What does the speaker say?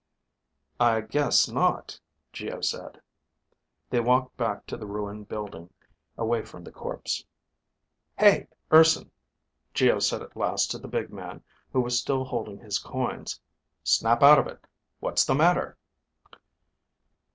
"I guess not," Geo said. They walked back to the ruined building, away from the corpse. "Hey, Urson," Geo said at last to the big man who was still holding his coins, "Snap out of it. What's the matter?"